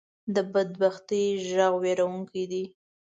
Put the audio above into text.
د بدبختۍ غږ وېرونکې دی